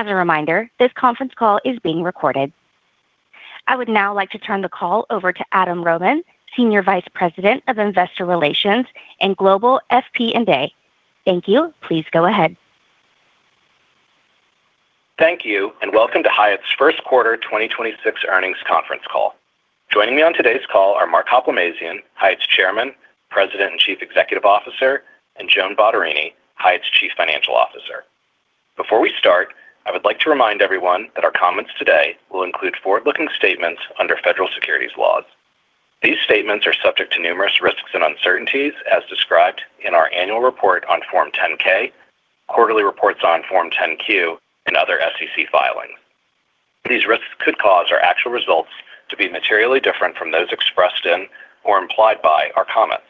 As a reminder, this conference call is being recorded. I would now like to turn the call over to Adam Rohman, Senior Vice President of Investor Relations and Global FP&A. Thank you. Please go ahead. Thank you, and welcome to Hyatt's first quarter 2026 earnings conference call. Joining me on today's call are Mark Hoplamazian, Hyatt's Chairman, President, and Chief Executive Officer, and Joan Bottarini, Hyatt's Chief Financial Officer. Before we start, I would like to remind everyone that our comments today will include forward-looking statements under federal securities laws. These statements are subject to numerous risks and uncertainties as described in our annual report on Form 10-K, quarterly reports on Form 10-Q, and other SEC filings. These risks could cause our actual results to be materially different from those expressed in or implied by our comments.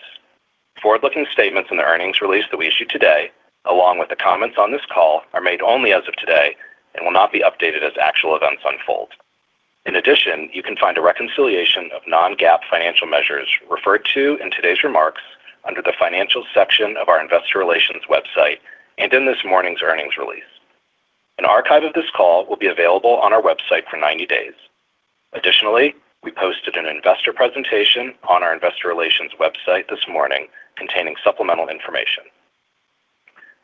Forward-looking statements in the earnings release that we issue today, along with the comments on this call, are made only as of today and will not be updated as actual events unfold. In addition, you can find a reconciliation of non-GAAP financial measures referred to in today's remarks under the Financial section of our Investor Relations website and in this morning's earnings release. An archive of this call will be available on our website for 90 days. Additionally, we posted an investor presentation on our Investor Relations website this morning containing supplemental information.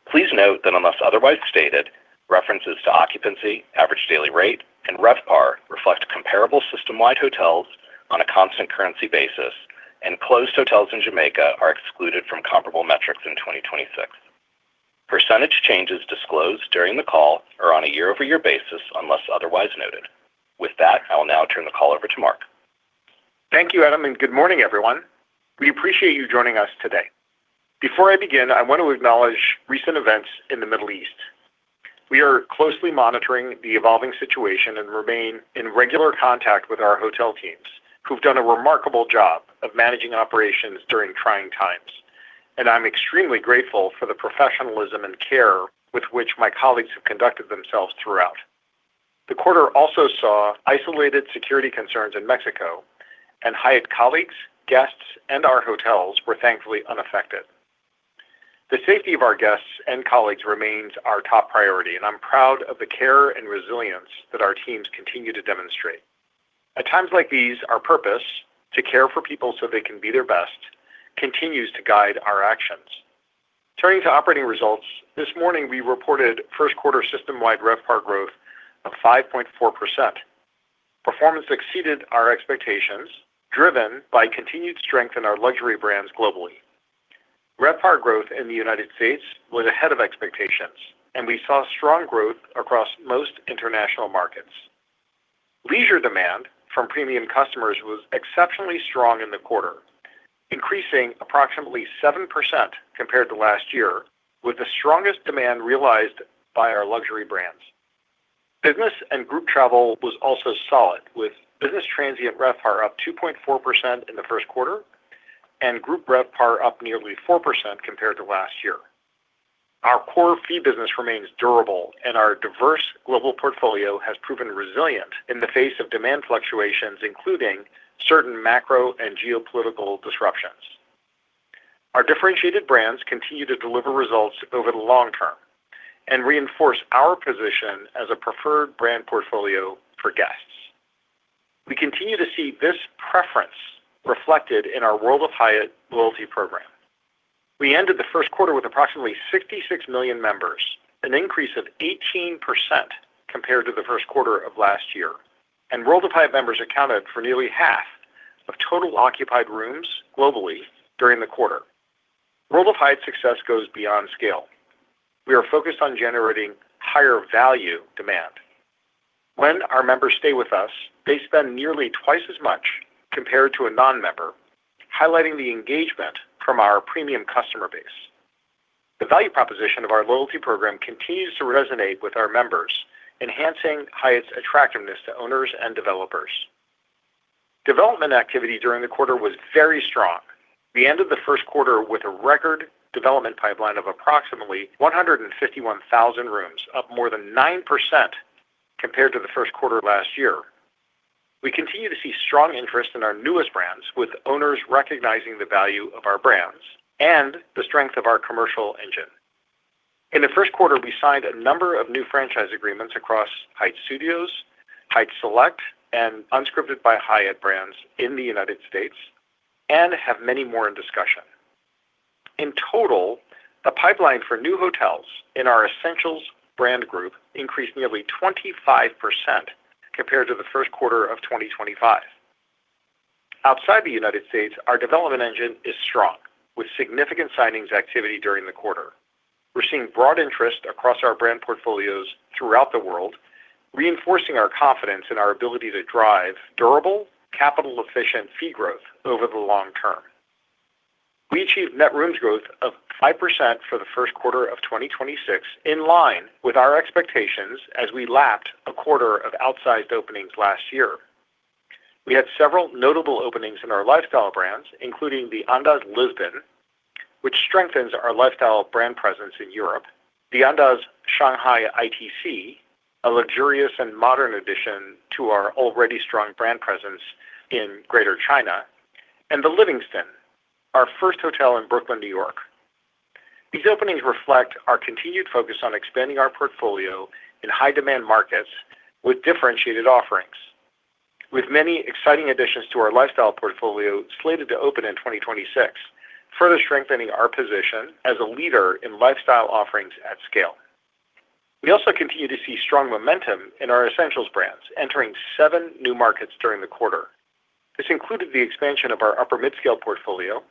Please note that unless otherwise stated, references to occupancy, average daily rate, and RevPAR reflect comparable system-wide hotels on a constant currency basis, and closed hotels in Jamaica are excluded from comparable metrics in 2026. Percentage changes disclosed during the call are on a year-over-year basis unless otherwise noted. With that, I will now turn the call over to Mark. Thank you Adam. Good morning everyone. We appreciate you joining us today. Before I begin, I want to acknowledge recent events in the Middle East. We are closely monitoring the evolving situation and remain in regular contact with our hotel teams, who've done a remarkable job of managing operations during trying times. I'm extremely grateful for the professionalism and care with which my colleagues have conducted themselves throughout. The quarter also saw isolated security concerns in Mexico. Hyatt colleagues, guests, and our hotels were thankfully unaffected. The safety of our guests and colleagues remains our top priority. I'm proud of the care and resilience that our teams continue to demonstrate. At times like these, our purpose, to care for people so they can be their best, continues to guide our actions. Turning to operating results, this morning we reported first quarter system-wide RevPAR growth of 5.4%. Performance exceeded our expectations, driven by continued strength in our luxury brands globally. RevPAR growth in the U.S. was ahead of expectations. We saw strong growth across most international markets. Leisure demand from premium customers was exceptionally strong in the quarter, increasing approximately 7% compared to last year, with the strongest demand realized by our luxury brands. Business and group travel was also solid, with business transient RevPAR up 2.4% in the first quarter and group RevPAR up nearly 4% compared to last year. Our core fee business remains durable. Our diverse global portfolio has proven resilient in the face of demand fluctuations, including certain macro and geopolitical disruptions. Our differentiated brands continue to deliver results over the long term and reinforce our position as a preferred brand portfolio for guests. We continue to see this preference reflected in our World of Hyatt loyalty program. We ended the first quarter with approximately 66 million members, an increase of 18% compared to the first quarter of last year, and World of Hyatt members accounted for nearly half of total occupied rooms globally during the quarter. World of Hyatt success goes beyond scale. We are focused on generating higher value demand. When our members stay with us, they spend nearly twice as much compared to a non-member, highlighting the engagement from our premium customer base. The value proposition of our loyalty program continues to resonate with our members, enhancing Hyatt's attractiveness to owners and developers. Development activity during the quarter was very strong. We ended the first quarter with a record development pipeline of approximately 151,000 rooms, up more than 9% compared to the first quarter of last year. We continue to see strong interest in our newest brands, with owners recognizing the value of our brands and the strength of our commercial engine. In the first quarter, we signed a number of new franchise agreements across Hyatt Studios, Hyatt Select, and Unscripted by Hyatt brands in the U.S. and have many more in discussion. In total, the pipeline for new hotels in our Essentials brand group increased nearly 25% compared to the first quarter of 2025. Outside the U.S., our development engine is strong, with significant signings activity during the quarter. We're seeing broad interest across our brand portfolios throughout the world, reinforcing our confidence in our ability to drive durable, capital-efficient fee growth over the long term. We achieved net rooms growth of 5% for the first quarter of 2026, in line with our expectations as we lapped a quarter of outsized openings last year. We had several notable openings in our lifestyle brands, including the Andaz Lisbon, which strengthens our lifestyle brand presence in Europe. The Andaz Shanghai ITC, a luxurious and modern addition to our already strong brand presence in Greater China, and The Livingston, our first hotel in Brooklyn, New York. These openings reflect our continued focus on expanding our portfolio in high demand markets with differentiated offerings. With many exciting additions to our lifestyle portfolio slated to open in 2026, further strengthening our position as a leader in lifestyle offerings at scale. We also continue to see strong momentum in our Essentials brands, entering seven new markets during the quarter. This included the expansion of our upper midscale portfolio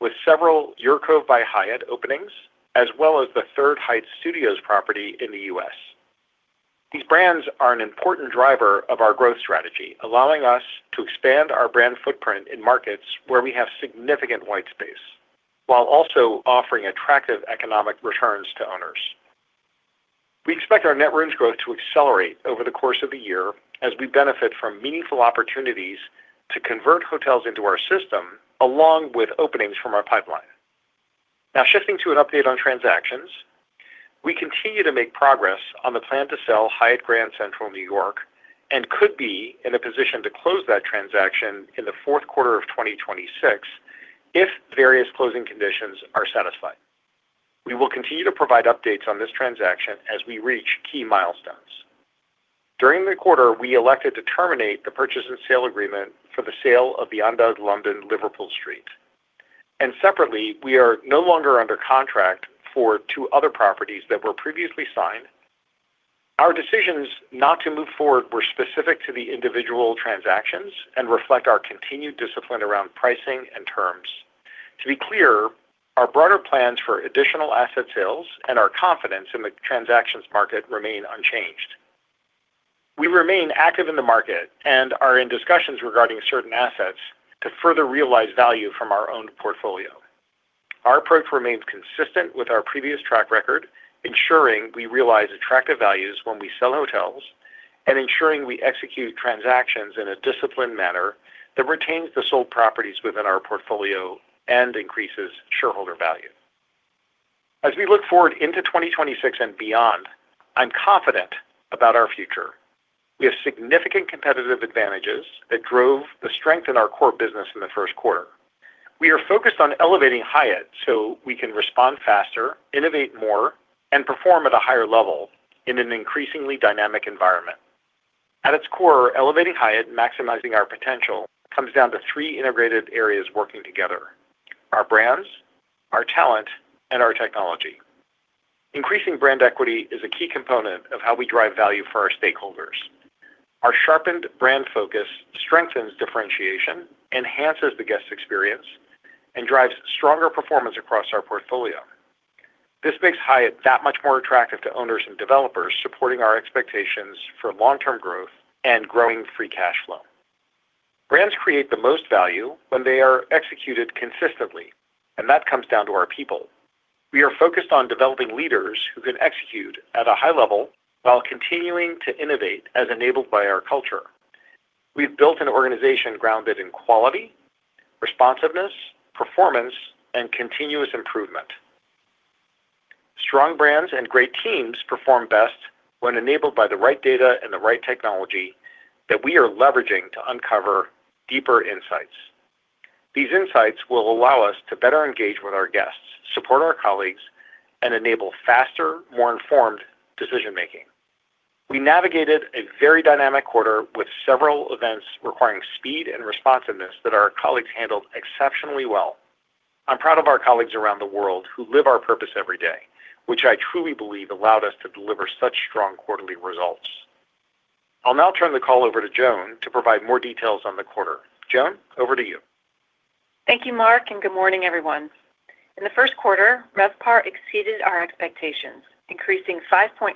with several UrCove by Hyatt openings, as well as the third Hyatt Studios property in the U.S. These brands are an important driver of our growth strategy, allowing us to expand our brand footprint in markets where we have significant white space, while also offering attractive economic returns to owners. We expect our net rooms growth to accelerate over the course of the year as we benefit from meaningful opportunities to convert hotels into our system, along with openings from our pipeline. Shifting to an update on transactions. We continue to make progress on the plan to sell Hyatt Grand Central New York and could be in a position to close that transaction in the fourth quarter of 2026 if various closing conditions are satisfied. We will continue to provide updates on this transaction as we reach key milestones. During the quarter, we elected to terminate the purchase and sale agreement for the sale of the Andaz London Liverpool Street. Separately, we are no longer under contract for two other properties that were previously signed. Our decisions not to move forward were specific to the individual transactions and reflect our continued discipline around pricing and terms. To be clear, our broader plans for additional asset sales and our confidence in the transactions market remain unchanged. We remain active in the market and are in discussions regarding certain assets to further realize value from our owned portfolio. Our approach remains consistent with our previous track record, ensuring we realize attractive values when we sell hotels and ensuring we execute transactions in a disciplined manner that retains the sold properties within our portfolio and increases shareholder value. As we look forward into 2026 and beyond, I'm confident about our future. We have significant competitive advantages that drove the strength in our core business in the first quarter. We are focused on elevating Hyatt so we can respond faster, innovate more, and perform at a higher level in an increasingly dynamic environment. At its core, elevating Hyatt and maximizing our potential comes down to three integrated areas working together: our brands, our talent, and our technology. Increasing brand equity is a key component of how we drive value for our stakeholders. Our sharpened brand focus strengthens differentiation, enhances the guest experience, and drives stronger performance across our portfolio. This makes Hyatt that much more attractive to owners and developers, supporting our expectations for long-term growth and growing free cash flow. Brands create the most value when they are executed consistently, and that comes down to our people. We are focused on developing leaders who can execute at a high level while continuing to innovate as enabled by our culture. We've built an organization grounded in quality, responsiveness, performance, and continuous improvement. Strong brands and great teams perform best when enabled by the right data and the right technology that we are leveraging to uncover deeper insights. These insights will allow us to better engage with our guests, support our colleagues, and enable faster, more informed decision-making. We navigated a very dynamic quarter with several events requiring speed and responsiveness that our colleagues handled exceptionally well. I'm proud of our colleagues around the world who live our purpose every day, which I truly believe allowed us to deliver such strong quarterly results. I'll now turn the call over to Joan to provide more details on the quarter. Joan, over to you. Thank you, Mark. Good morning, everyone. In the first quarter, RevPAR exceeded our expectations, increasing 5.4%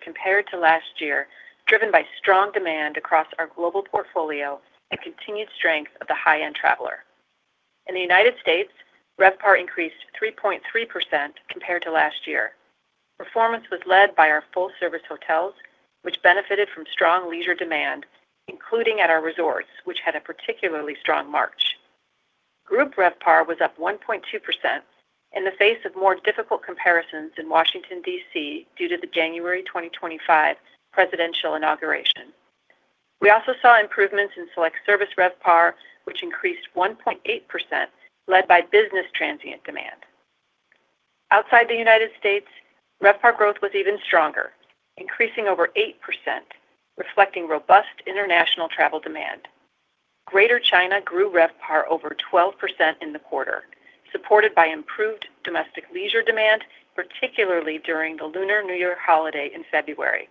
compared to last year, driven by strong demand across our global portfolio and continued strength of the high-end traveler. In the U.S., RevPAR increased 3.3% compared to last year. Performance was led by our full-service hotels, which benefited from strong leisure demand, including at our resorts, which had a particularly strong March. Group RevPAR was up 1.2% in the face of more difficult comparisons in Washington, D.C. due to the January 2025 presidential inauguration. We also saw improvements in select service RevPAR, which increased 1.8%, led by business transient demand. Outside the U.S., RevPAR growth was even stronger, increasing over 8%, reflecting robust international travel demand. Greater China grew RevPAR over 12% in the quarter, supported by improved domestic leisure demand, particularly during the Lunar New Year holiday in February,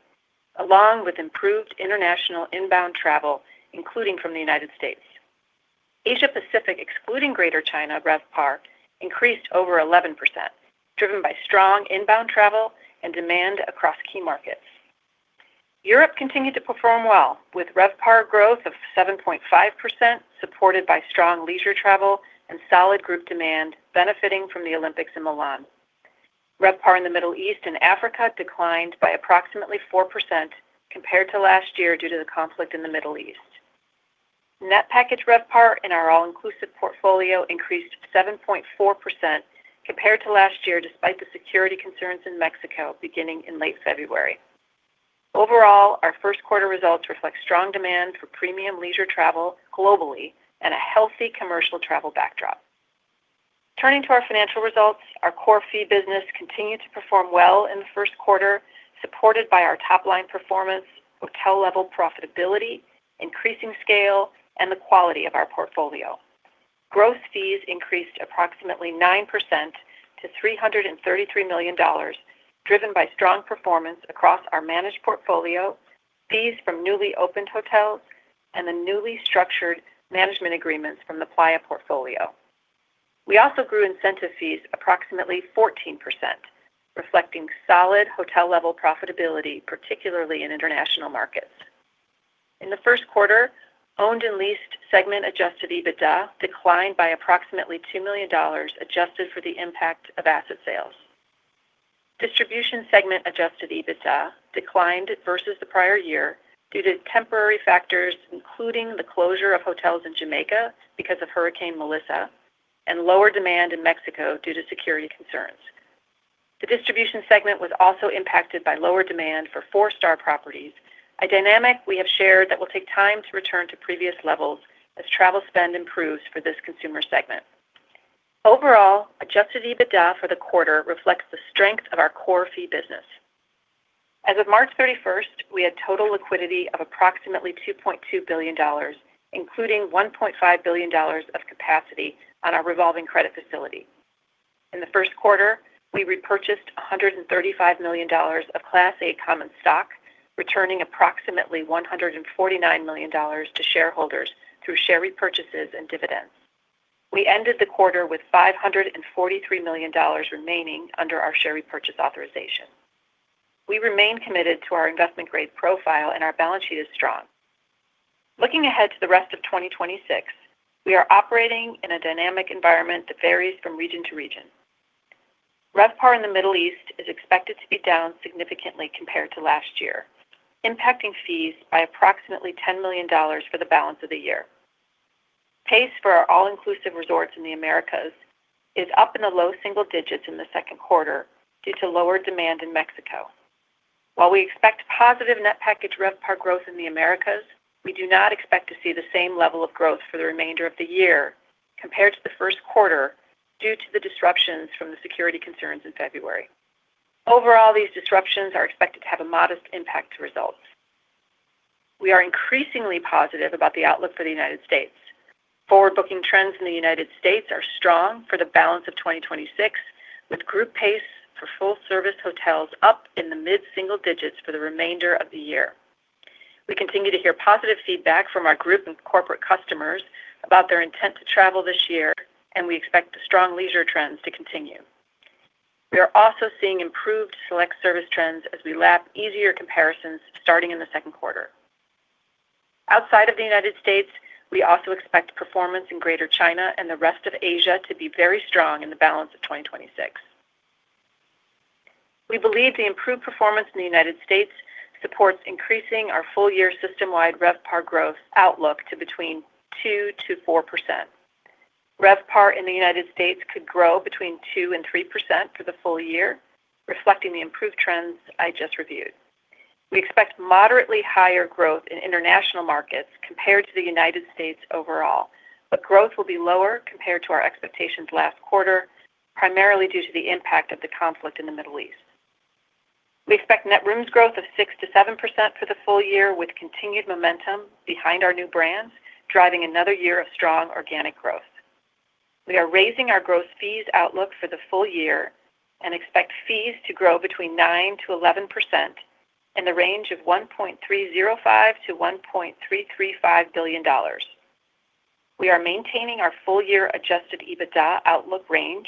along with improved international inbound travel, including from the United States. Asia Pacific, excluding Greater China RevPAR, increased over 11%, driven by strong inbound travel and demand across key markets. Europe continued to perform well, with RevPAR growth of 7.5%, supported by strong leisure travel and solid group demand benefiting from the Olympics in Milan. RevPAR in the Middle East and Africa declined by approximately 4% compared to last year due to the conflict in the Middle East. Net package RevPAR in our all-inclusive portfolio increased 7.4% compared to last year, despite the security concerns in Mexico beginning in late February. Overall, our first quarter results reflect strong demand for premium leisure travel globally and a healthy commercial travel backdrop. Turning to our financial results, our core fee business continued to perform well in the first quarter, supported by our top-line performance, hotel-level profitability, increasing scale, and the quality of our portfolio. Gross fees increased approximately 9% to $333 million, driven by strong performance across our managed portfolio, fees from newly opened hotels, and the newly structured management agreements from the Playa portfolio. We also grew incentive fees approximately 14%, reflecting solid hotel-level profitability, particularly in international markets. In the first quarter, owned and leased segment adjusted EBITDA declined by approximately $2 million adjusted for the impact of asset sales. Distribution segment adjusted EBITDA declined versus the prior year due to temporary factors, including the closure of hotels in Jamaica because of Hurricane Melissa and lower demand in Mexico due to security concerns. The distribution segment was also impacted by lower demand for four-star properties, a dynamic we have shared that will take time to return to previous levels as travel spend improves for this consumer segment. Overall, adjusted EBITDA for the quarter reflects the strength of our core fee business. As of March 31st, we had total liquidity of approximately $2.2 billion, including $1.5 billion of capacity on our revolving credit facility. In the first quarter, we repurchased $135 million of Class A common stock, returning approximately $149 million to shareholders through share repurchases and dividends. We ended the quarter with $543 million remaining under our share repurchase authorization. We remain committed to our investment-grade profile, and our balance sheet is strong. Looking ahead to the rest of 2026, we are operating in a dynamic environment that varies from region to region. RevPAR in the Middle East is expected to be down significantly compared to last year, impacting fees by approximately $10 million for the balance of the year. Pace for our all-inclusive resorts in the Americas is up in the low single digits in the second quarter due to lower demand in Mexico. While we expect positive net package RevPAR growth in the Americas, we do not expect to see the same level of growth for the remainder of the year compared to the first quarter due to the disruptions from the security concerns in February. Overall, these disruptions are expected to have a modest impact to results. We are increasingly positive about the outlook for the United States. Forward-booking trends in the United States are strong for the balance of 2026, with group pace for full-service hotels up in the mid-single digits for the remainder of the year. We continue to hear positive feedback from our group and corporate customers about their intent to travel this year, and we expect the strong leisure trends to continue. We are also seeing improved select service trends as we lap easier comparisons starting in the second quarter. Outside of the United States, we also expect performance in Greater China and the rest of Asia to be very strong in the balance of 2026. We believe the improved performance in the United States supports increasing our full-year system-wide RevPAR growth outlook to between 2%-4%. RevPAR in the United States could grow between 2% and 3% for the full year, reflecting the improved trends I just reviewed. We expect moderately higher growth in international markets compared to the United States overall, but growth will be lower compared to our expectations last quarter, primarily due to the impact of the conflict in the Middle East. We expect net rooms growth of 6%-7% for the full year, with continued momentum behind our new brands, driving another year of strong organic growth. We are raising our gross fees outlook for the full year and expect fees to grow between 9%-11% in the range of $1.305 billion-$1.335 billion. We are maintaining our full-year adjusted EBITDA outlook range.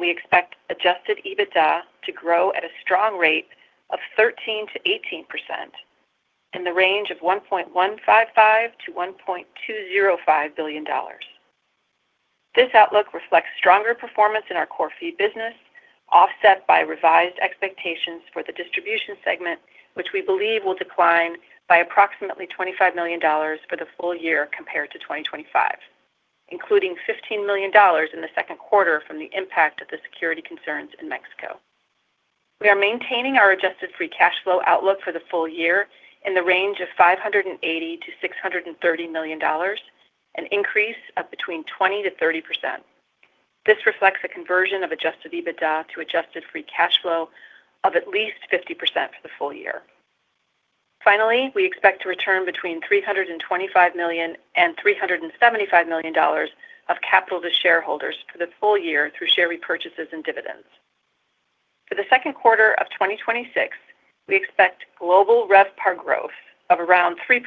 We expect adjusted EBITDA to grow at a strong rate of 13%-18% in the range of $1.155 billion-$1.205 billion. This outlook reflects stronger performance in our core fee business, offset by revised expectations for the distribution segment, which we believe will decline by approximately $25 million for the full year compared to 2025, including $15 million in the second quarter from the impact of the security concerns in Mexico. We are maintaining our adjusted free cash flow outlook for the full year in the range of $580 million-$630 million, an increase of between 20%-30%. This reflects a conversion of adjusted EBITDA to adjusted free cash flow of at least 50% for the full year. Finally, we expect to return between $325 million and $375 million of capital to shareholders for the full year through share repurchases and dividends. For the second quarter of 2026, we expect global RevPAR growth of around 3%,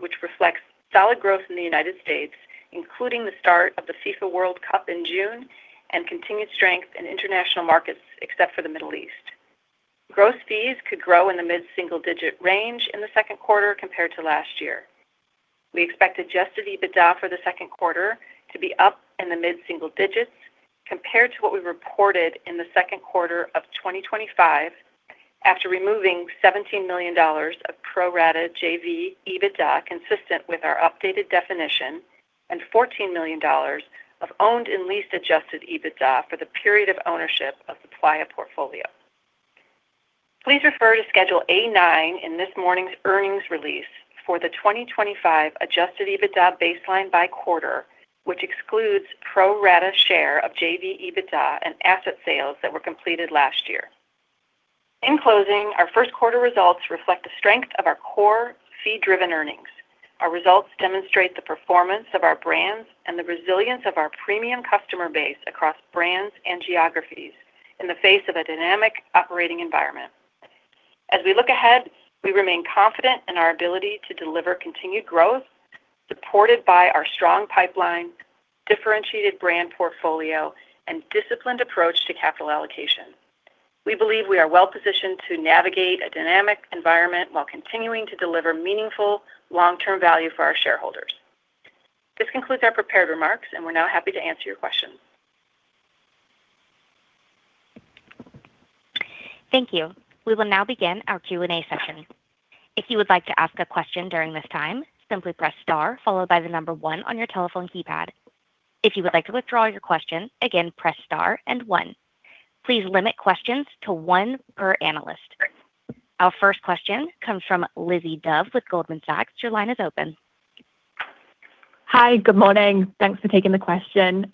which reflects solid growth in the United States, including the start of the FIFA World Cup in June and continued strength in international markets, except for the Middle East. Gross fees could grow in the mid-single-digit range in the second quarter compared to last year. We expect adjusted EBITDA for the second quarter to be up in the mid-single digits compared to what we reported in the second quarter of 2025 after removing $17 million pro rata JV EBITDA consistent with our updated definition, and $14 million of owned and leased adjusted EBITDA for the period of ownership of the Playa portfolio. Please refer to Schedule A-9 in this morning's earnings release for the 2025 adjusted EBITDA baseline by quarter, which excludes pro rata share of JV EBITDA and asset sales that were completed last year. In closing, our 1st quarter results reflect the strength of our core fee-driven earnings. Our results demonstrate the performance of our brands and the resilience of our premium customer base across brands and geographies in the face of a dynamic operating environment. As we look ahead, we remain confident in our ability to deliver continued growth supported by our strong pipeline, differentiated brand portfolio, and disciplined approach to capital allocation. We believe we are well-positioned to navigate a dynamic environment while continuing to deliver meaningful long-term value for our shareholders. This concludes our prepared remarks, and we're now happy to answer your questions. Thank you. We will now begin our Q&A session. If you would like to ask a question during this time, simply press star followed by the number one on your telephone keypad. If you would like to withdraw your question, again, press star and one. Please limit questions to one per analyst. Our first question comes from Lizzie Dove with Goldman Sachs. Your line is open. Hi, good morning. Thanks for taking the question.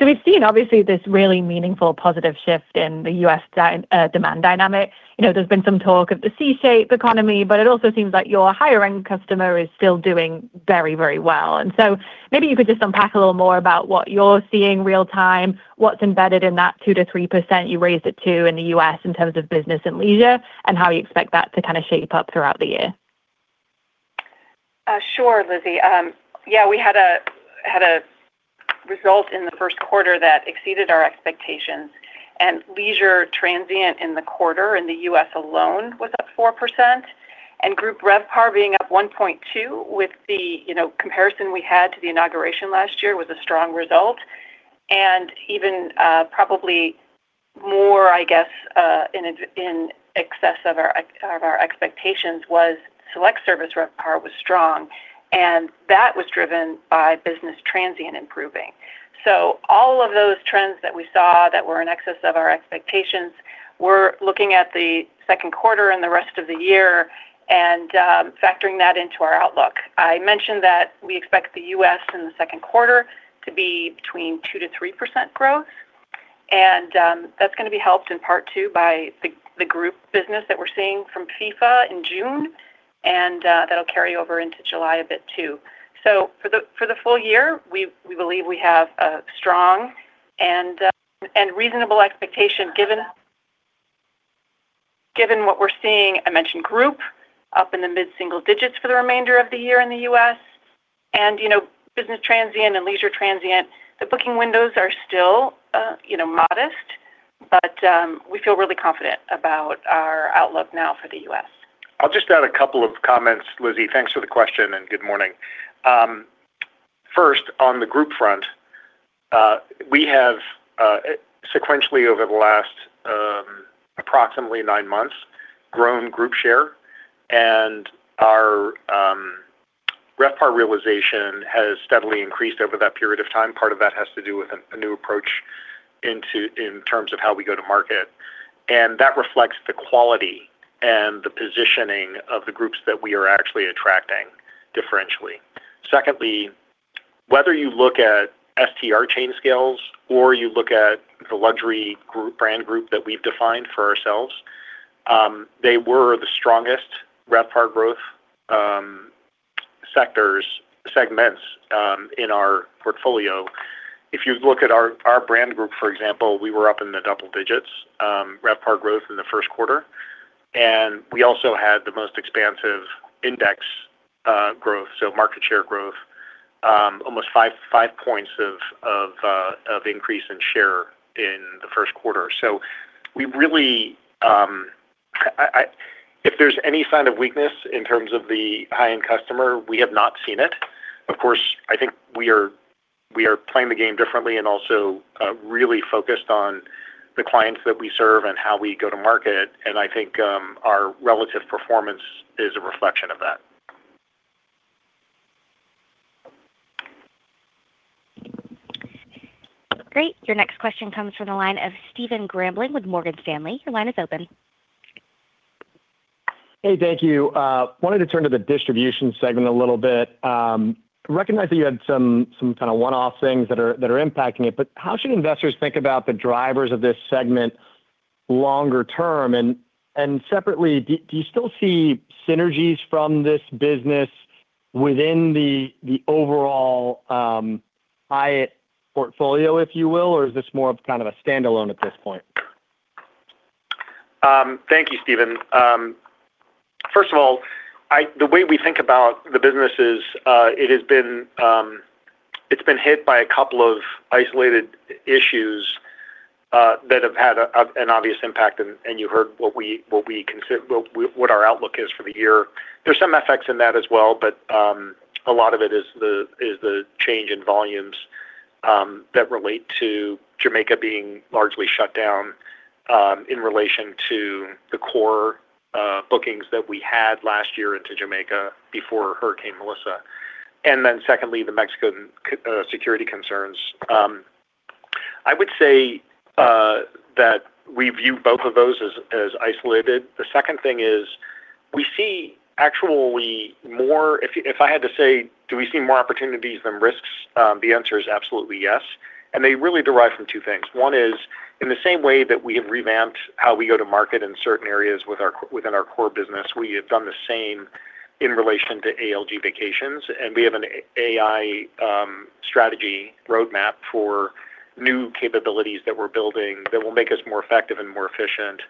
We've seen obviously this really meaningful positive shift in the U.S. demand dynamic. You know, there's been some talk of the C-shape economy, but it also seems like your higher end customer is still doing very, very well. Maybe you could just unpack a little more about what you're seeing real time, what's embedded in that 2%-3% you raised it to in the U.S. in terms of business and leisure, and how you expect that to kind of shape up throughout the year. Sure, Lizzie. Yeah, we had a result in the first quarter that exceeded our expectations. Leisure transient in the quarter in the U.S. alone was up 4%. Group RevPAR being up 1.2 with the, you know, comparison we had to the inauguration last year was a strong result. Even, probably more, I guess, in excess of our expectations was select service RevPAR was strong, and that was driven by business transient improving. All of those trends that we saw that were in excess of our expectations, we're looking at the second quarter and the rest of the year and factoring that into our outlook. I mentioned that we expect the U.S. in the second quarter to be between 2%-3% growth. That's gonna be helped in part too by the group business that we're seeing from FIFA in June, and that'll carry over into July a bit too. For the, for the full year, we believe we have a strong and reasonable expectation given what we're seeing. I mentioned group up in the mid-single digits for the remainder of the year in the U.S. You know, business transient and leisure transient, the booking windows are still, you know, modest, but we feel really confident about our outlook now for the U.S. I'll just add a couple of comments, Lizzie. Thanks for the question, and good morning. First on the group front, we have sequentially over the last approximately nine months grown group share, and our RevPAR realization has steadily increased over that period of time. Part of that has to do with a new approach in terms of how we go to market, and that reflects the quality and the positioning of the groups that we are actually attracting differentially. Secondly, whether you look at STR chain scales or you look at the luxury brand group that we've defined for ourselves, they were the strongest RevPAR growth segments in our portfolio. If you look at our brand group for example, we were up in the double digits, RevPAR growth in the first quarter, and we also had the most expansive index growth, so market share growth, almost 5 points of increase in share in the first quarter. We really, if there's any sign of weakness in terms of the high-end customer, we have not seen it. Of course, I think we are playing the game differently and also really focused on the clients that we serve and how we go to market, and I think our relative performance is a reflection of that. Great. Your next question comes from the line of Stephen Grambling with Morgan Stanley. Your line is open. Hey, thank you. wanted to turn to the distribution segment a little bit. recognize that you had some kind of one-off things that are, that are impacting it, but how should investors think about the drivers of this segment longer term? separately, do you still see synergies from this business within the overall Hyatt portfolio, if you will? Or is this more of kind of a standalone at this point? Thank you, Stephen. First of all, the way we think about the business is, it has been, it's been hit by a couple of isolated issues that have had an obvious impact and you heard what our outlook is for the year. There's some effects in that as well, but a lot of it is the change in volumes that relate to Jamaica being largely shut down in relation to the core bookings that we had last year into Jamaica before Hurricane Melissa. Secondly, the Mexican security concerns. I would say that we view both of those as isolated. The second thing is we see actually more, if I had to say, do we see more opportunities than risks? The answer is absolutely yes. They really derive from two things. One is in the same way that we have revamped how we go to market in certain areas within our core business, we have done the same in relation to ALG Vacations. We have an AI strategy roadmap for new capabilities that we're building that will make us more effective and more efficient,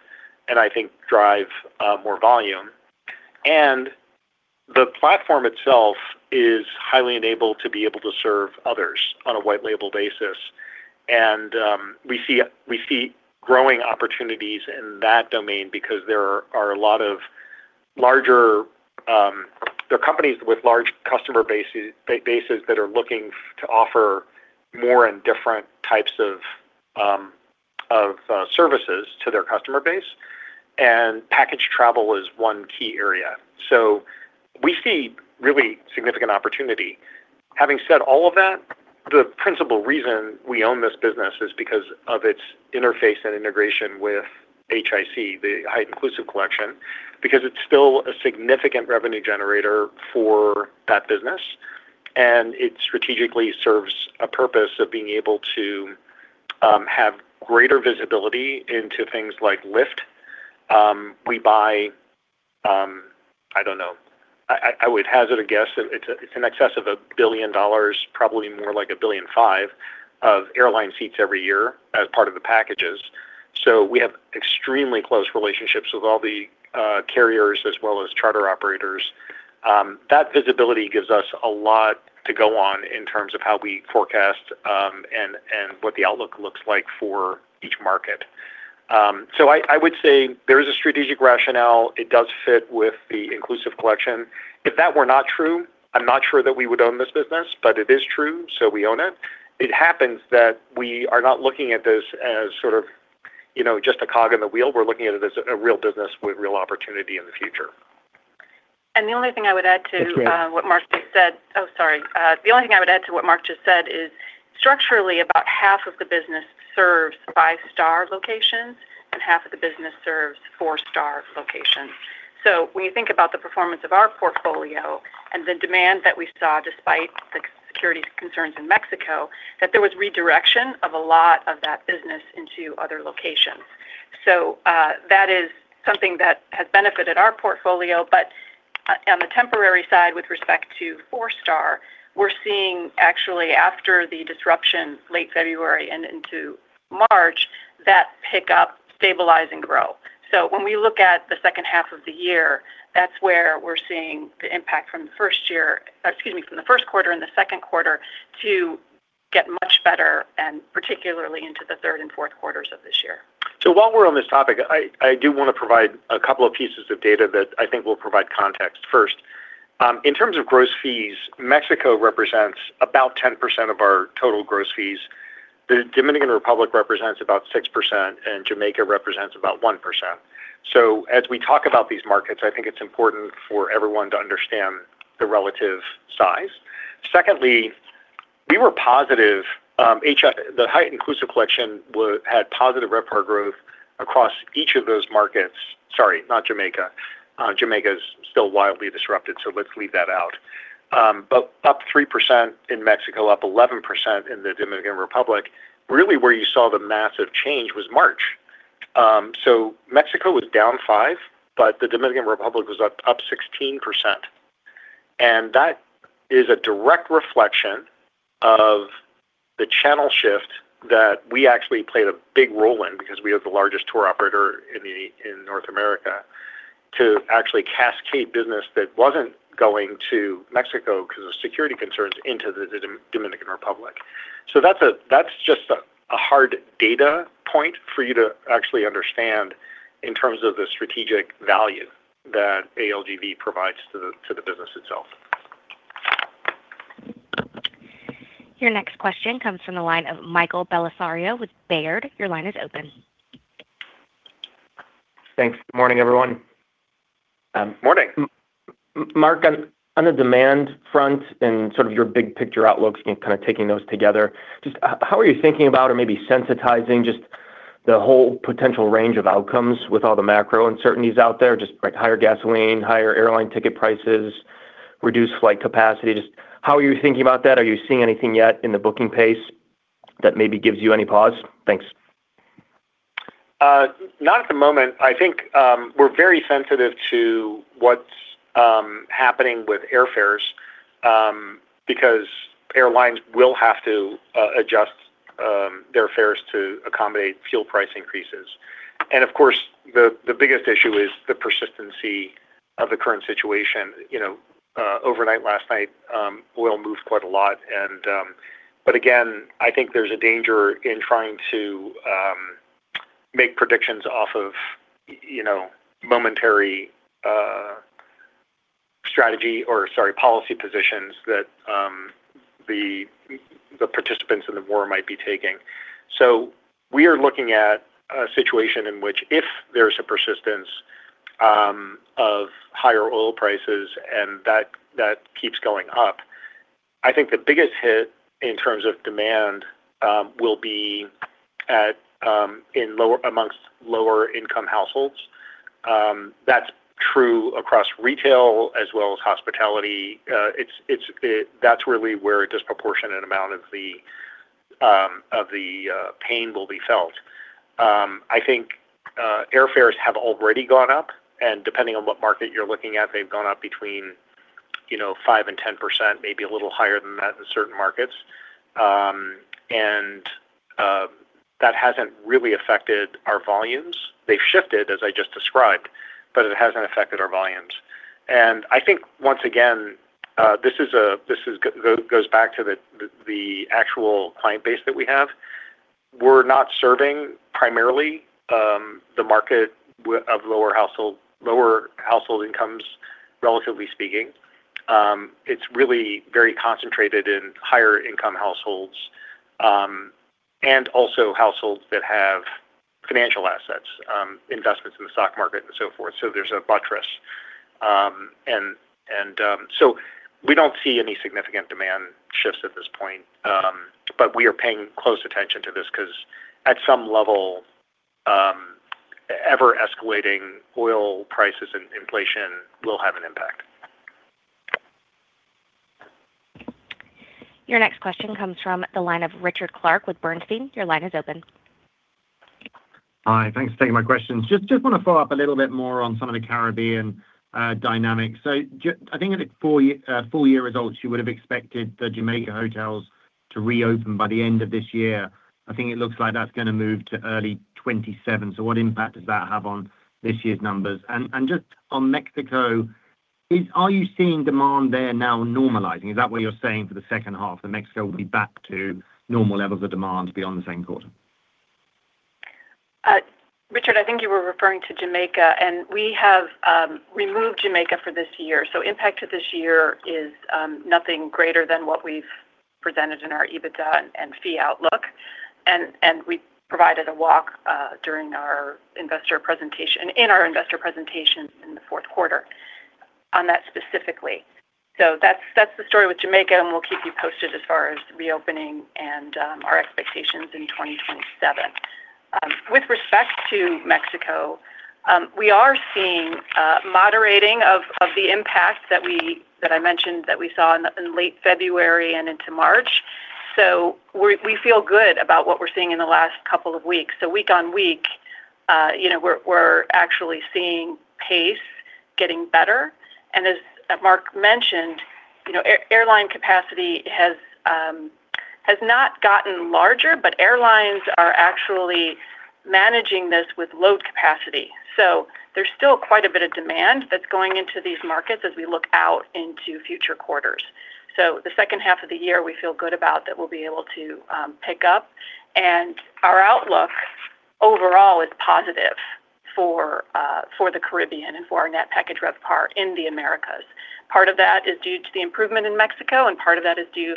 and I think drive more volume. The platform itself is highly enabled to be able to serve others on a white label basis. We see growing opportunities in that domain because there are a lot of larger companies with large customer bases that are looking to offer more and different types of services to their customer base. Package travel is 1 key area. We see really significant opportunity. Having said all of that, the principal reason we own this business is because of its interface and integration with HIC, the Hyatt Inclusive Collection, because it's still a significant revenue generator for that business. It strategically serves a purpose of being able to have greater visibility into things like lift. We buy, I don't know, I would hazard a guess it's in excess of $1 billion, probably more like $1.5 billion of airline seats every year as part of the packages. We have extremely close relationships with all the carriers as well as charter operators. That visibility gives us a lot to go on in terms of how we forecast and what the outlook looks like for each market. I would say there is a strategic rationale. It does fit with the Inclusive Collection. If that were not true, I'm not sure that we would own this business, but it is true, so we own it. It happens that we are not looking at this as sort of, you know, just a cog in the wheel. We're looking at it as a real business with real opportunity in the future. The only thing I would add. Oh, sorry. The only thing I would add to what Mark just said is structurally about half of the business serves five-star locations and half of the business serves four-star locations. When you think about the performance of our portfolio and the demand that we saw despite the security concerns in Mexico, that there was redirection of a lot of that business into other locations. That is something that has benefited our portfolio. On the temporary side, with respect to four-star, we're seeing actually after the disruption late February and into March, that pick up, stabilize, and grow. When we look at the second half of the year, that's where we're seeing the impact from the first quarter and the second quarter to get much better and particularly into the third and fourth quarters of this year. While we're on this topic, I do want to provide a couple of pieces of data that I think will provide context. First, in terms of gross fees, Mexico represents about 10% of our total gross fees. The Dominican Republic represents about 6%, and Jamaica represents about 1%. As we talk about these markets, I think it's important for everyone to understand the relative size. Secondly, we were positive, the Inclusive Collection had positive RevPAR growth across each of those markets. Sorry, not Jamaica, Jamaica is still wildly disrupted, so let's leave that out. But up 3% in Mexico, up 11% in the Dominican Republic, really where you saw the massive change was March. Mexico was down 5%, but the Dominican Republic was up 16%. That is a direct reflection of the channel shift that we actually played a big role in because we are the largest tour operator in North America to actually cascade business that wasn't going to Mexico because of security concerns into the Dominican Republic. That's just a hard data point for you to actually understand in terms of the strategic value that ALGV provides to the business itself. Your next question comes from the line of Michael Bellisario with Baird. Your line is open. Thanks. Good morning, everyone. Morning. Mark, on the demand front and sort of your big picture outlook and kind of taking those together, just how are you thinking about or maybe sensitizing just the whole potential range of outcomes with all the macro uncertainties out there, just like higher gasoline, higher airline ticket prices, reduced flight capacity? Just how are you thinking about that? Are you seeing anything yet in the booking pace that maybe gives you any pause? Thanks. Not at the moment. I think we're very sensitive to what's happening with airfares because airlines will have to adjust their fares to accommodate fuel price increases. Of course, the biggest issue is the persistency of the current situation. You know, overnight last night, oil moved quite a lot. Again, I think there's a danger in trying to make predictions. strategy, policy positions that the participants in the war might be taking. We are looking at a situation in which if there's a persistence of higher oil prices and that keeps going up, I think the biggest hit in terms of demand will be amongst lower income households. That's true across retail as well as hospitality. That's really where a disproportionate amount of the pain will be felt. I think airfares have already gone up, and depending on what market you're looking at, they've gone up between, you know, 5% and 10%, maybe a little higher than that in certain markets. That hasn't really affected our volumes. They've shifted, as I just described, but it hasn't affected our volumes. I think once again, this goes back to the actual client base that we have. We're not serving primarily, the market of lower household incomes, relatively speaking. It's really very concentrated in higher income households, and also households that have financial assets, investments in the stock market and so forth. There's a buttress. We don't see any significant demand shifts at this point. We are paying close attention to this because at some level, ever-escalating oil prices and inflation will have an impact. Your next question comes from the line of Richard Clarke with Bernstein. Your line is open. Hi. Thanks for taking my questions. Just wanna follow up a little bit more on some of the Caribbean dynamics. I think at the full year results, you would have expected the Jamaica hotels to reopen by the end of this year. I think it looks like that's gonna move to early 2027. What impact does that have on this year's numbers? And just on Mexico, are you seeing demand there now normalizing? Is that what you're saying for the second half, that Mexico will be back to normal levels of demand beyond the same quarter? Richard, I think you were referring to Jamaica, and we have removed Jamaica for this year. Impact to this year is nothing greater than what we've presented in our EBITDA and fee outlook. We provided a walk during our investor presentation in the fourth quarter on that specifically. That's the story with Jamaica, and we'll keep you posted as far as reopening and our expectations in 2027. With respect to Mexico, we are seeing a moderating of the impact that I mentioned that we saw in late February and into March. We feel good about what we're seeing in the last couple of weeks. Week on week, you know, we're actually seeing pace getting better. As Mark mentioned, you know, airline capacity has not gotten larger, but airlines are actually managing this with load capacity. There's still quite a bit of demand that's going into these markets as we look out into future quarters. The second half of the year, we feel good about that we'll be able to pick up. Our outlook overall is positive for the Caribbean and for our net package RevPAR in the Americas. Part of that is due to the improvement in Mexico, and part of that is due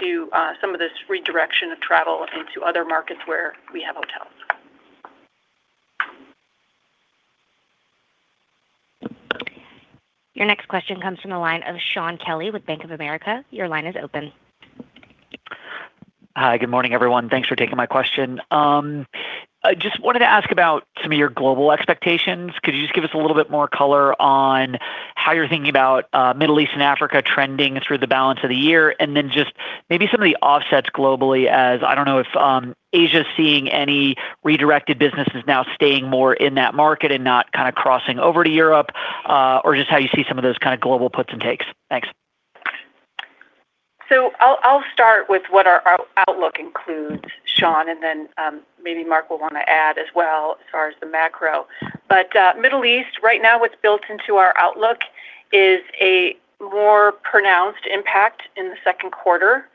to some of this redirection of travel into other markets where we have hotels. Your next question comes from the line of Shaun Kelley with Bank of America. Your line is open. Hi, good morning, everyone. Thanks for taking my question. I just wanted to ask about some of your global expectations. Could you just give us a little bit more color on how you're thinking about Middle East and Africa trending through the balance of the year? Then just maybe some of the offsets globally as I don't know if Asia is seeing any redirected businesses now staying more in that market and not kinda crossing over to Europe, or just how you see some of those kinda global puts and takes. Thanks. I'll start with what our outlook includes, Shaun, and then maybe Mark will wanna add as well as far as the macro. Middle East, right now what's built into our outlook is a more pronounced impact in the second quarter,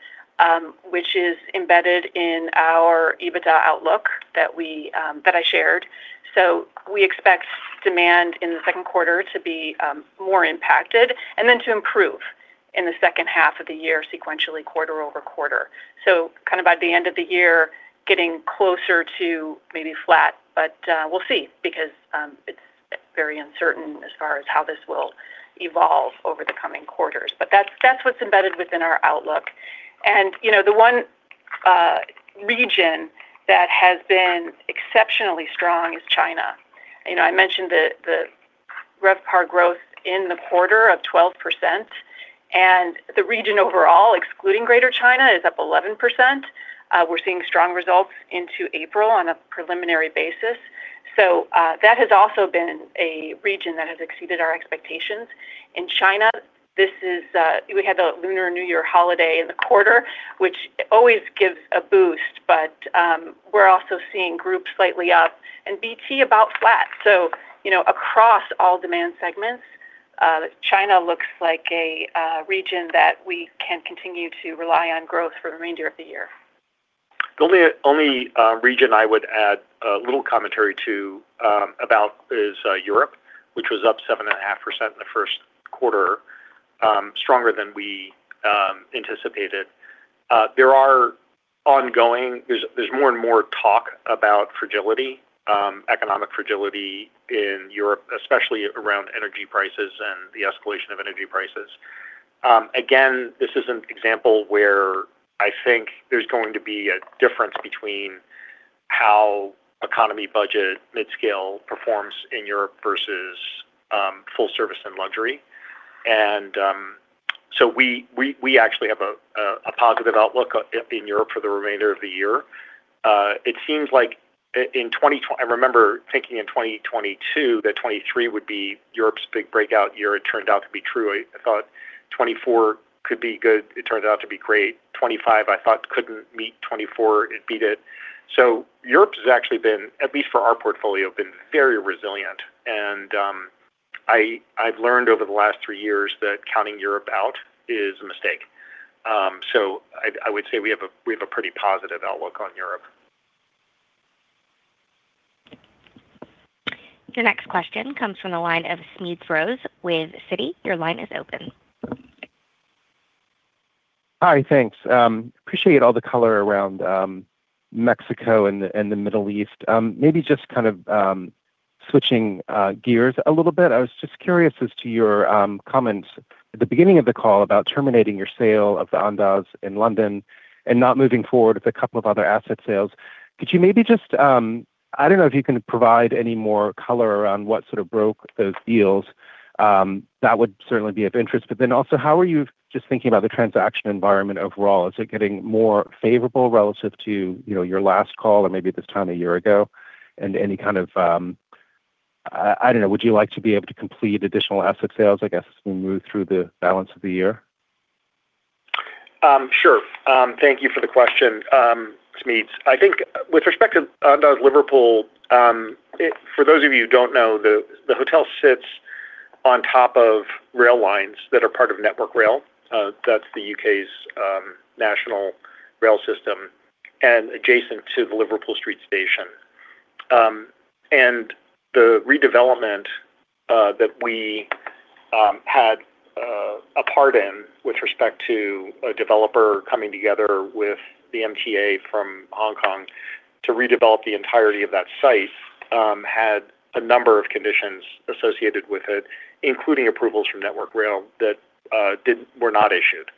which is embedded in our EBITDA outlook that we that I shared. We expect demand in the second quarter to be more impacted and then to improve in the second half of the year sequentially quarter-over-quarter. Kind of by the end of the year, getting closer to maybe flat, but we'll see because it's very uncertain as far as how this will evolve over the coming quarters. That's what's embedded within our outlook. You know, the one region that has been exceptionally strong is China. You know, I mentioned the RevPAR growth in the quarter of 12%, the region overall, excluding Greater China, is up 11%. We're seeing strong results into April on a preliminary basis. That has also been a region that has exceeded our expectations. In China, this is, we had the Lunar New Year holiday in the quarter, which always gives a boost, we're also seeing groups slightly up and BT about flat. You know, across all demand segments, China looks like a region that we can continue to rely on growth for the remainder of the year. The only region I would add a little commentary to about is Europe, which was up 7.5% in the 1st quarter, stronger than we anticipated. There's more and more talk about fragility, economic fragility in Europe, especially around energy prices and the escalation of energy prices. Again, this is an example where I think there's going to be a difference between how economy budget mid-scale performs in Europe versus full service and luxury. So we actually have a positive outlook in Europe for the remainder of the year. I remember thinking in 2022 that 2023 would be Europe's big breakout year. It turned out to be true. I thought 2024 could be good. It turned out to be great. 25, I thought, couldn't meet 24. It beat it. Europe has actually been, at least for our portfolio, been very resilient. I've learned over the last three years that counting Europe out is a mistake. I would say we have a pretty positive outlook on Europe. The next question comes from the line of Smedes Rose with Citi. Your line is open. Hi, thanks. Appreciate all the color around Mexico and the, and the Middle East. Maybe just kind of switching gears a little bit, I was just curious as to your comments at the beginning of the call about terminating your sale of the Andaz in London and not moving forward with a couple of other asset sales. Could you maybe just I don't know if you can provide any more color around what sort of broke those deals. That would certainly be of interest. How are you just thinking about the transaction environment overall? Is it getting more favorable relative to, you know, your last call or maybe this time a year ago? Any kind of, I don't know, would you like to be able to complete additional asset sales, I guess, as we move through the balance of the year? Thank you for the question, Smedes. I think with respect to Andaz Liverpool, for those of you who don't know, the hotel sits on top of rail lines that are part of Network Rail, that's the U.K.'s national rail system, and adjacent to the Liverpool Street station. The redevelopment that we had a part in with respect to a developer coming together with the MTR from Hong Kong to redevelop the entirety of that site had a number of conditions associated with it, including approvals from Network Rail that were not issued.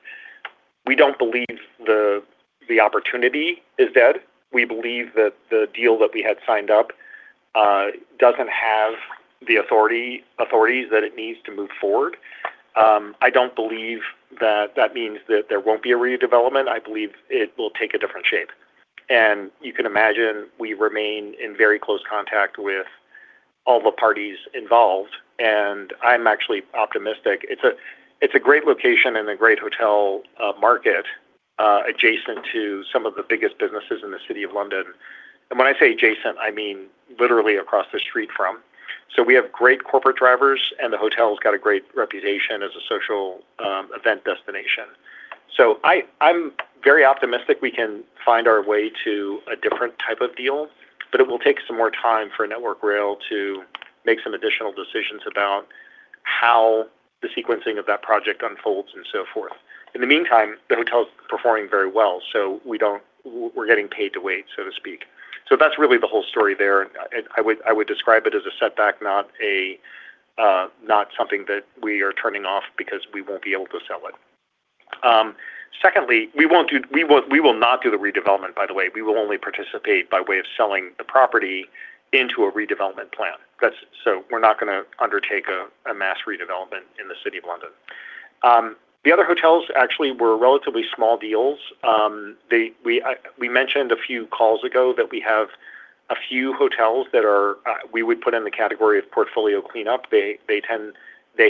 We don't believe the opportunity is dead. We believe that the deal that we had signed up doesn't have the authorities that it needs to move forward. I don't believe that that means that there won't be a redevelopment. I believe it will take a different shape. You can imagine we remain in very close contact with all the parties involved, and I'm actually optimistic. It's a great location and a great hotel market adjacent to some of the biggest businesses in the City of London. When I say adjacent, I mean literally across the street from. We have great corporate drivers, and the hotel's got a great reputation as a social event destination. I'm very optimistic we can find our way to a different type of deal, but it will take some more time for Network Rail to make some additional decisions about how the sequencing of that project unfolds and so forth. In the meantime, the hotel is performing very well, so we're getting paid to wait, so to speak. That's really the whole story there. I would describe it as a setback, not a, not something that we are turning off because we won't be able to sell it. Secondly, we will not do the redevelopment, by the way. We will only participate by way of selling the property into a redevelopment plan. We're not gonna undertake a mass redevelopment in the City of London. The other hotels actually were relatively small deals. We mentioned a few calls ago that we have a few hotels that are, we would put in the category of portfolio cleanup. They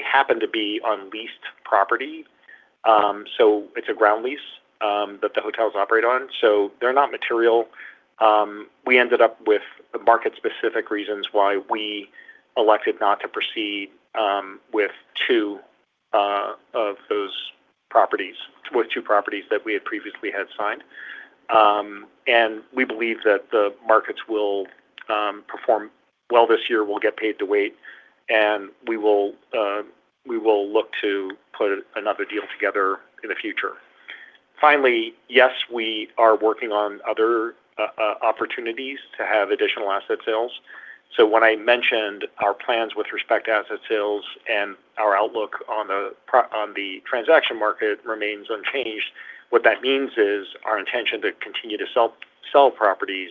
happen to be on leased property, so it's a ground lease that the hotels operate on. They're not material. We ended up with market-specific reasons why we elected not to proceed with two properties that we had previously had signed. We believe that the markets will perform well this year. We'll get paid to wait, and we will look to put another deal together in the future. Finally, yes, we are working on other opportunities to have additional asset sales. When I mentioned our plans with respect to asset sales and our outlook on the transaction market remains unchanged, what that means is our intention to continue to sell properties,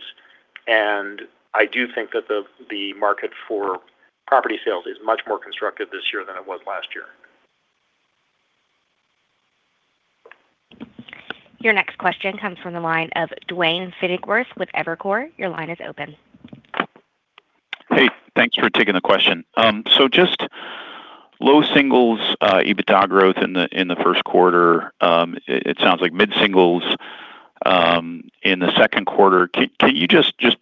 and I do think that the market for property sales is much more constructive this year than it was last year. Your next question comes from the line of Duane Pfennigwerth with Evercore. Your line is open. Hey. Thank you for taking the question. Just low singles, EBITDA growth in the first quarter. It sounds like mid-singles in the second quarter. Can you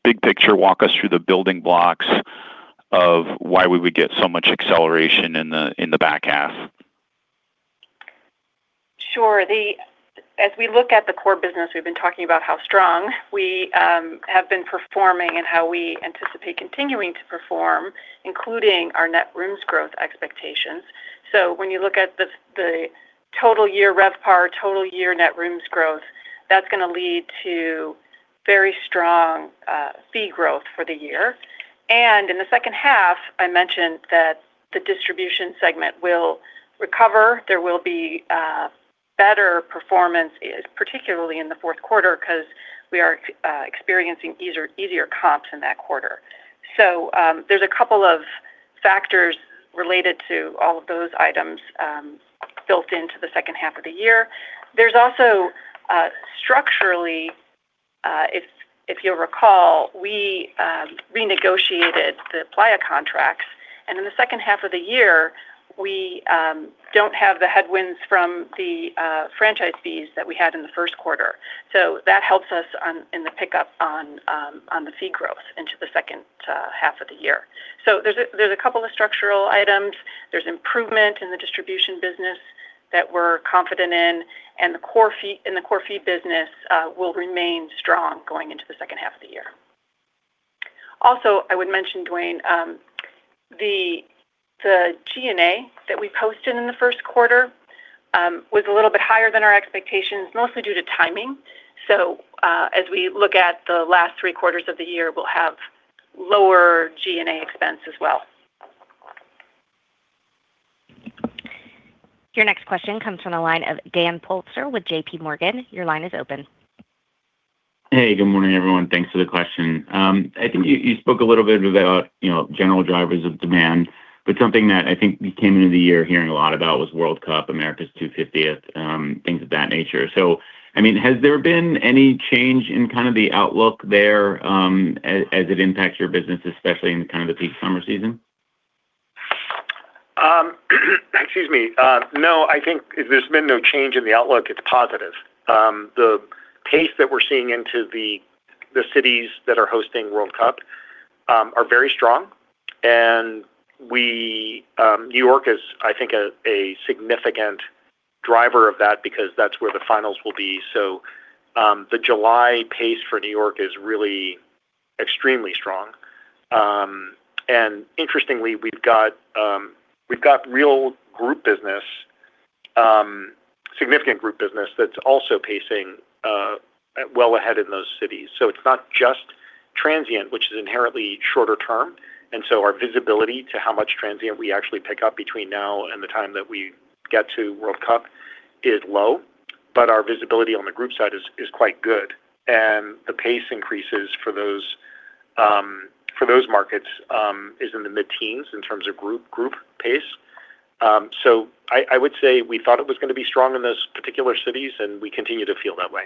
big picture walk us through the building blocks of why we would get so much acceleration in the back half? Sure. As we look at the core business, we've been talking about how strong we have been performing and how we anticipate continuing to perform, including our net rooms growth expectations. When you look at the total year RevPAR, total year net rooms growth, that's gonna lead to very strong fee growth for the year. In the second half, I mentioned that the distribution segment will recover. There will be better performance, particularly in the fourth quarter, 'cause we are experiencing easier comps in that quarter. There's a couple of factors related to all of those items built into the second half of the year. There's also, structurally, if you'll recall, we renegotiated the Playa contracts, and in the second half of the year, we don't have the headwinds from the franchise fees that we had in the first quarter. That helps us in the pickup on the fee growth into the second half of the year. There's a couple of structural items. There's improvement in the distribution business that we're confident in, and the core fee business will remain strong going into the second half of the year. Also, I would mention, Duane, the G&A that we posted in the first quarter was a little bit higher than our expectations, mostly due to timing. As we look at the last three quarters of the year, we'll have lower G&A expense as well. Your next question comes from the line of Dan Politzer with JPMorgan. Your line is open. Hey, good morning, everyone. Thanks for the question. I think you spoke a little bit about, you know, general drivers of demand, but something that I think we came into the year hearing a lot about was World Cup, America's 250th, things of that nature. I mean, has there been any change in kind of the outlook there, as it impacts your business, especially in kind of the peak summer season? Excuse me. No, I think there's been no change in the outlook. It's positive. The pace that we're seeing into the cities that are hosting World Cup are very strong. We, New York is, I think, a significant driver of that because that's where the finals will be. The July pace for New York is really extremely strong. Interestingly, we've got real group business, significant group business that's also pacing well ahead in those cities. It's not just transient, which is inherently shorter term, and so our visibility to how much transient we actually pick up between now and the time that we get to World Cup is low, but our visibility on the group side is quite good. The pace increases for those, for those markets, is in the mid-teens in terms of group pace. I would say we thought it was gonna be strong in those particular cities, and we continue to feel that way.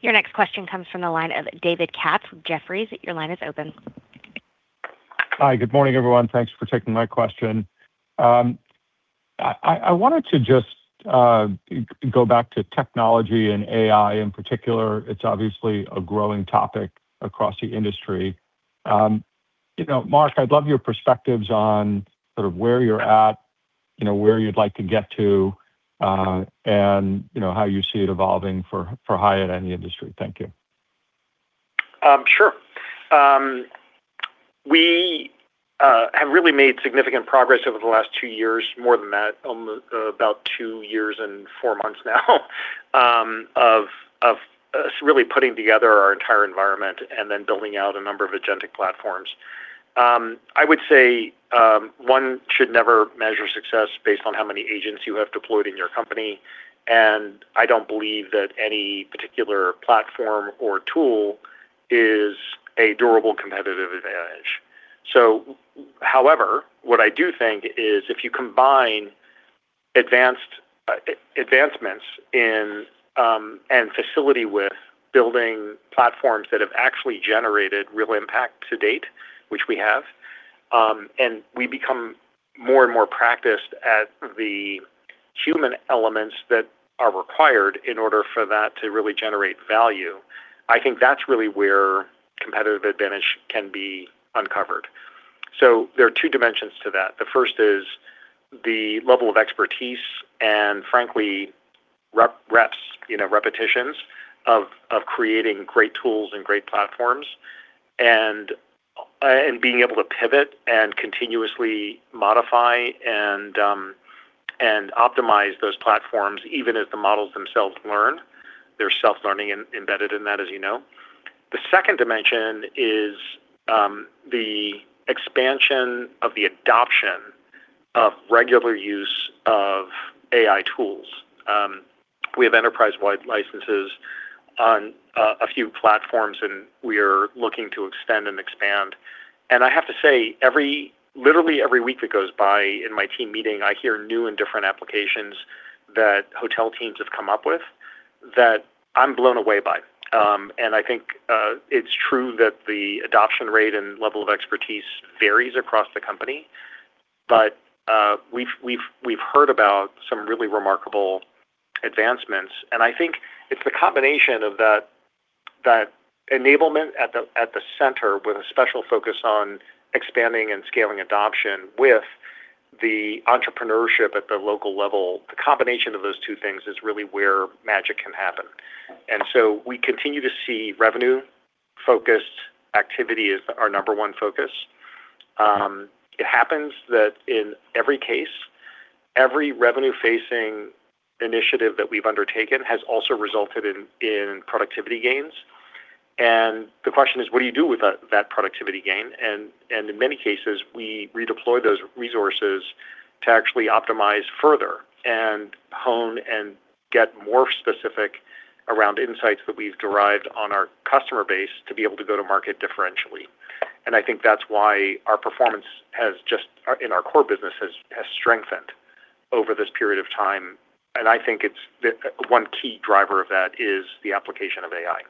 Your next question comes from the line of David Katz, Jefferies. Your line is open. Hi, good morning, everyone. Thanks for taking my question. I wanted to just go back to technology and AI in particular. It's obviously a growing topic across the industry. You know, Mark, I'd love your perspectives on sort of where you're at, you know, where you'd like to get to, and, you know, how you see it evolving for Hyatt and the industry. Thank you. Sure. We have really made significant progress over the last two years, more than that, about two years and four months now, really putting together our entire environment and then building out a number of agentic platforms. I would say one should never measure success based on how many agents you have deployed in your company, and I don't believe that any particular platform or tool is a durable competitive advantage. However, what I do think is if you combine advanced advancements in and facility with building platforms that have actually generated real impact to date, which we have, and we become more and more practiced at the human elements that are required in order for that to really generate value, I think that's really where competitive advantage can be uncovered. There are two dimensions to that. The first is the level of expertise, and frankly, you know, repetitions of creating great tools and great platforms and being able to pivot and continuously modify and optimize those platforms even as the models themselves learn. There's self-learning embedded in that, as you know. The second dimension is the expansion of the adoption of regular use of AI tools. We have enterprise-wide licenses on a few platforms, and we are looking to extend and expand. I have to say, every, literally every week that goes by in my team meeting, I hear new and different applications that hotel teams have come up with that I'm blown away by. I think it's true that the adoption rate and level of expertise varies across the company, but we've heard about some really remarkable advancements. I think it's the combination of that enablement at the center with a special focus on expanding and scaling adoption with the entrepreneurship at the local level, the combination of those two things is really where magic can happen. We continue to see revenue-focused activity as our number one focus. It happens that in every case, every revenue-facing initiative that we've undertaken has also resulted in productivity gains. The question is, what do you do with that productivity gain? In many cases, we redeploy those resources to actually optimize further and hone and get more specific around insights that we've derived on our customer base to be able to go to market differentially. I think that's why our performance in our core business has strengthened over this period of time. I think the one key driver of that is the application of AI.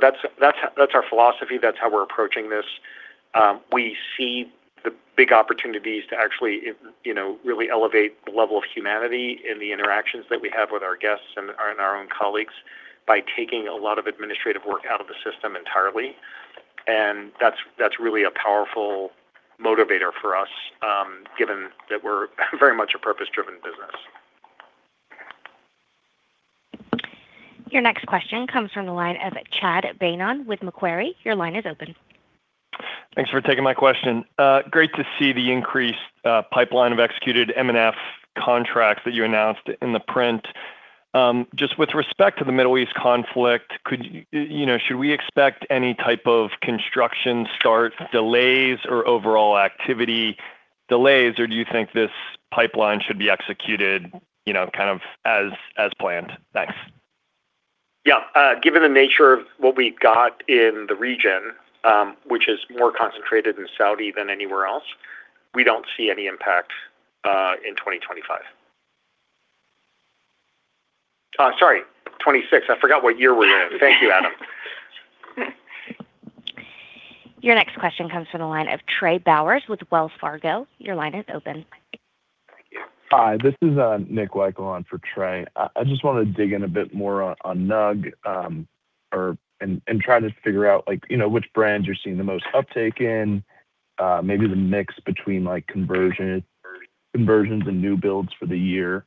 That's our philosophy. That's how we're approaching this. We see the big opportunities to actually, you know, really elevate the level of humanity in the interactions that we have with our guests and our own colleagues by taking a lot of administrative work out of the system entirely. That's really a powerful motivator for us, given that we're very much a purpose-driven business. Your next question comes from the line of Chad Beynon with Macquarie. Your line is open. Thanks for taking my question. Great to see the increased pipeline of executed M&F contracts that you announced in the print. Just with respect to the Middle East conflict, should we expect any type of construction start delays or overall activity delays? Do you think this pipeline should be executed as planned? Thanks. Yeah. Given the nature of what we've got in the region, which is more concentrated in Saudi than anywhere else, we don't see any impact in 2025. Sorry, 2026. I forgot what year we're in. Thank you, Adam. Your next question comes from the line of Trey Bowers with Wells Fargo. Your line is open. Thank you. Hi, this is Nick Weichel for Trey. I just wanna dig in a bit more on NRG, and try to figure out like, you know, which brands you're seeing the most uptake in, maybe the mix between like conversions and new builds for the year.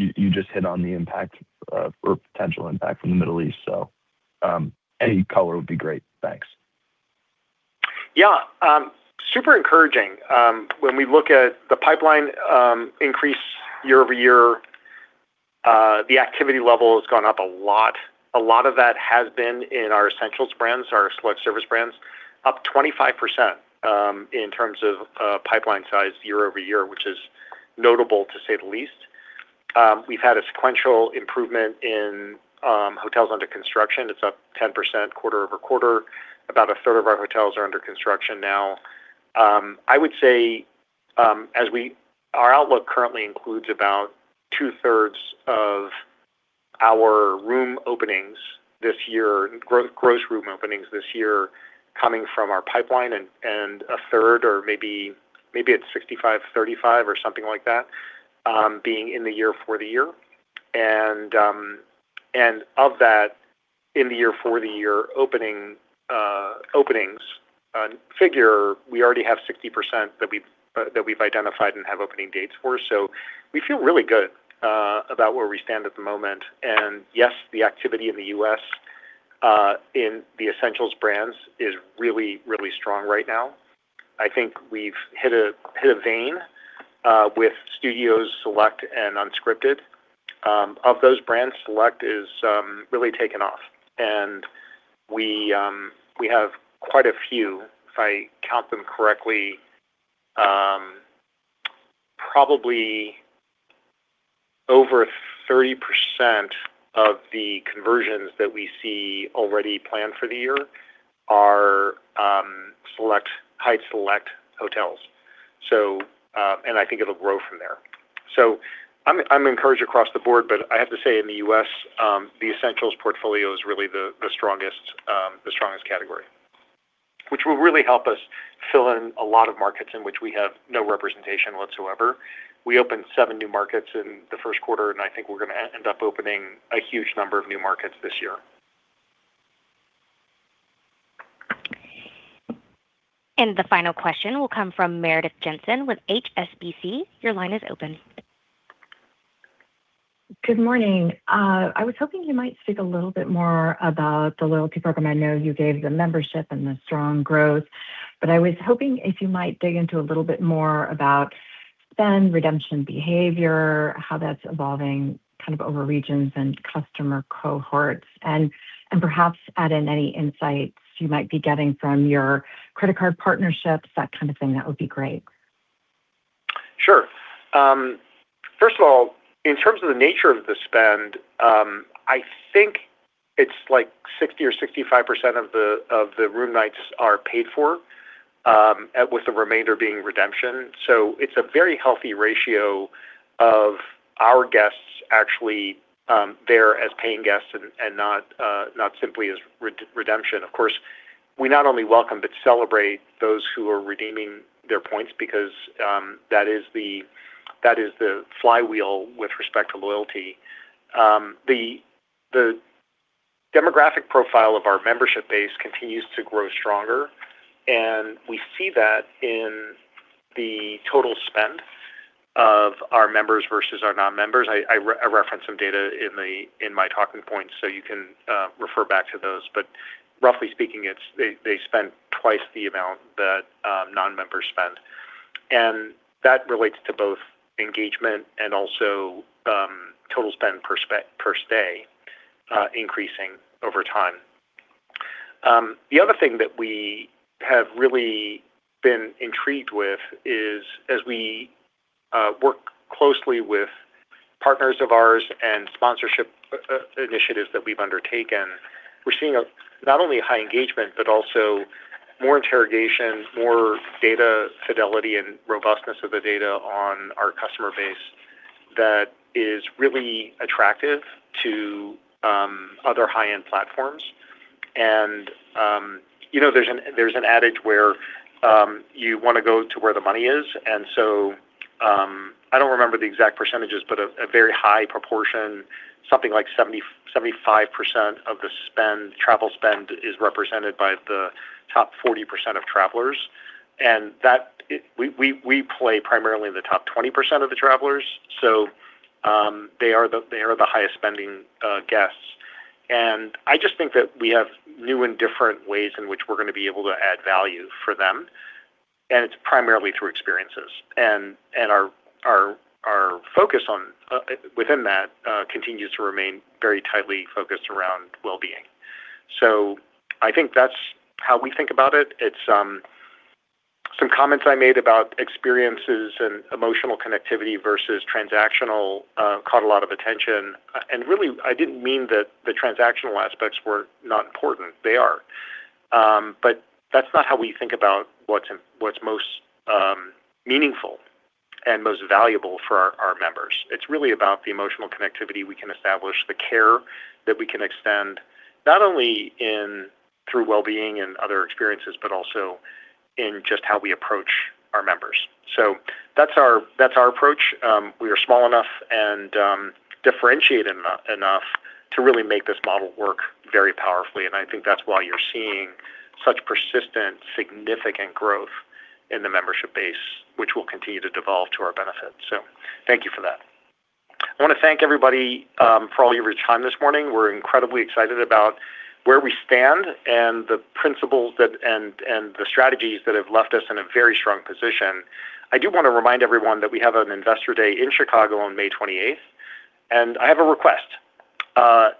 You just hit on the impact, or potential impact from the Middle East. Any color would be great. Thanks. Yeah, super encouraging. When we look at the pipeline increase year-over-year, the activity level has gone up a lot. A lot of that has been in our Essentials brands, our select service brands, up 25% in terms of pipeline size year-over-year, which is notable to say the least. We've had a sequential improvement in hotels under construction. It's up 10% quarter-over-quarter. About a third of our hotels are under construction now. I would say, Our outlook currently includes about two-thirds of our room openings this year, gross room openings this year coming from our pipeline and a third, or maybe it's 65, 35 or something like that, being in the year for the year. Of that in the year for the year opening openings figure, we already have 60% that we've that we've identified and have opening dates for. We feel really good about where we stand at the moment. Yes, the activity in the U.S. in the Essentials brands is really, really strong right now. I think we've hit a hit a vein with Studios Select and Unscripted. Of those brands, Select is really taken off. We have quite a few. If I count them correctly, probably over 30% of the conversions that we see already planned for the year are Hyatt Select hotels. I think it'll grow from there. I'm encouraged across the board, but I have to say in the U.S., the Essentials portfolio is really the strongest, the strongest category, which will really help us fill in a lot of markets in which we have no representation whatsoever. We opened seven new markets in the first quarter, and I think we're gonna end up opening a huge number of new markets this year. The final question will come from Meredith Jensen with HSBC. Your line is open. Good morning. I was hoping you might speak a little bit more about the loyalty program. I know you gave the membership and the strong growth, I was hoping if you might dig into a little bit more about spend redemption behavior, how that's evolving kind of over regions and customer cohorts, and perhaps add in any insights you might be getting from your credit card partnerships, that kind of thing. That would be great. Sure. First of all, in terms of the nature of the spend, I think it's like 60% or 65% of the room nights are paid for, with the remainder being redemption. It's a very healthy ratio of our guests actually, there as paying guests and not simply as redemption. Of course, we not only welcome, but celebrate those who are redeeming their points because that is the flywheel with respect to loyalty. The demographic profile of our membership base continues to grow stronger, and we see that in the total spend of our members versus our non-members. I referenced some data in my talking points, so you can refer back to those. Roughly speaking, they spend twice the amount that non-members spend. That relates to both engagement and also, total spend per stay increasing over time. The other thing that we have really been intrigued with is as we work closely with partners of ours and sponsorship initiatives that we've undertaken, we're seeing not only a high engagement, but also more interrogation, more data fidelity and robustness of the data on our customer base that is really attractive to other high-end platforms. You know, there's an adage where you wanna go to where the money is. So, I don't remember the exact percentages, but a very high proportion, something like 70%-75% of the spend, travel spend is represented by the top 40% of travelers. We play primarily in the top 20% of the travelers, so they are the highest spending guests. I just think that we have new and different ways in which we're gonna be able to add value for them, and it's primarily through experiences. Our focus on within that continues to remain very tightly focused around well-being. I think that's how we think about it. Some comments I made about experiences and emotional connectivity versus transactional caught a lot of attention. Really, I didn't mean that the transactional aspects were not important. They are. That's not how we think about what's most meaningful and most valuable for our members. It's really about the emotional connectivity we can establish, the care that we can extend, not only through well-being and other experiences, but also in just how we approach our members. That's our approach. We are small enough and differentiated enough to really make this model work very powerfully, I think that's why you're seeing such persistent, significant growth in the membership base, which will continue to devolve to our benefit. Thank you for that. I want to thank everybody for all your time this morning. We're incredibly excited about where we stand and the principles and the strategies that have left us in a very strong position. I do want to remind everyone that we have an investor day in Chicago on May 28th, and I have a request.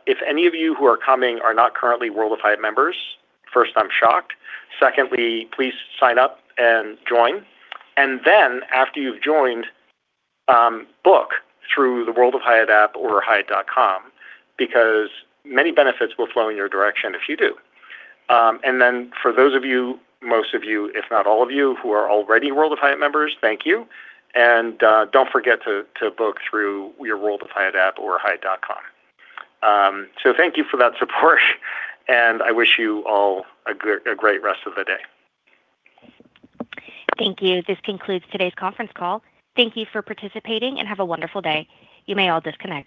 If any of you who are coming are not currently World of Hyatt members, first, I'm shocked. Secondly, please sign up and join. After you've joined, book through the World of Hyatt app or hyatt.com, because many benefits will flow in your direction if you do. For those of you, most of you, if not all of you, who are already World of Hyatt members, thank you. Don't forget to book through your World of Hyatt app or hyatt.com. Thank you for that support, and I wish you all a great rest of the day. Thank you. This concludes today's conference call. Thank you for participating, and have a wonderful day. You may all disconnect.